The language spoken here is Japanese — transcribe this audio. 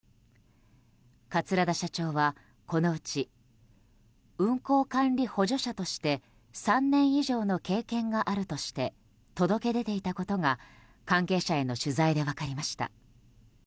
桂田社長は、このうち運航管理補助者として３年以上の経験があるとして届け出ていたことが関係者への取材で分かりました。